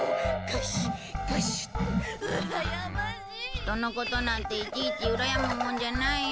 人のことなんていちいちうらやむもんじゃないよ。